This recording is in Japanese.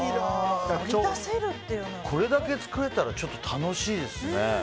これだけ作れたら楽しいですね。